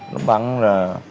nó bắn là